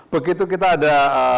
begitu kita ada